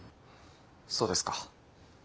そうですか。